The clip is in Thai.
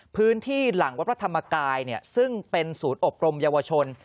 พื้นที่หลังวัตถามกายซึ่งเป็นสูตรอบรมเยาวชน